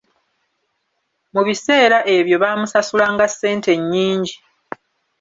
Mu biseera ebyo baamusasulanga ssente nyingi.